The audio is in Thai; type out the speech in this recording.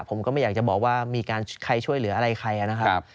ผมก็ไม่อยากจะบอกว่ามีการใครช่วยเหลืออะไรใครนะครับ